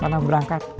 udah sana berangkat